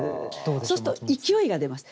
そうすると勢いが出ます。